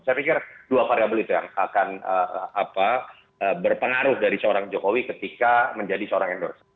saya pikir dua variabel itu yang akan berpengaruh dari seorang jokowi ketika menjadi seorang endorse